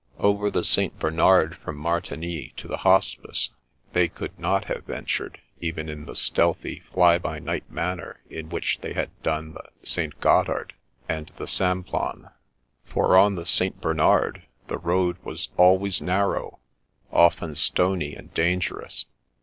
Over the St. Bernard from Martigny to the Hospice they could not have ventured, even in the stealthy, fly by night manner in which they had " done " the St. Gothard and the Simplon ; for on the St. Bernard the road was always narrow, often stony and dan gerous.